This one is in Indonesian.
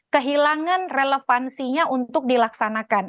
kehilangan relevansinya untuk dilaksanakan